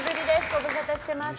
ご無沙汰してました。